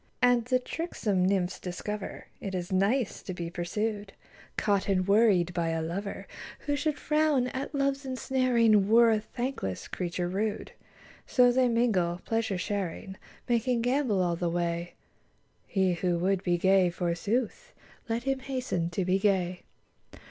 72 And the tricksome nymphs discover It is nice to be pursued, Caught and worried by a lover ; Who should frown at Love's ensnaring Were a thankless creature rude ; So they mingle, pleasure sharing, Making gambol all the way : He who would be gay, forsooth. Let him hasten to be gay.